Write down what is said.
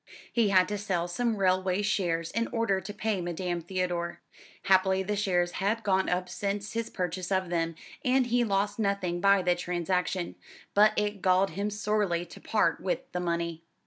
He had to sell some railway shares in order to pay Madame Theodore. Happily the shares had gone up since his purchase of them, and he lost nothing by the transaction; but it galled him sorely to part with the money.